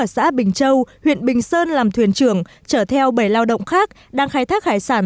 xã bình châu huyện bình sơn làm thuyền trưởng chở theo bảy lao động khác đang khai thác hải sản